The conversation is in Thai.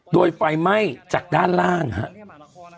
โดยไฟไหม้จากด้านล่างครับ